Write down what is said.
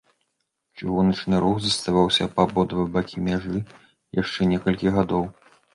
Чыгуначны рух заставаўся па абодва бакі мяжы яшчэ некалькі гадоў.